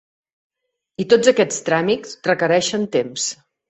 I tots aquests tràmits requereixen temps.